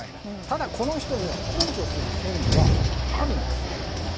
ただ、この人には控訴する権利はあるんですよ。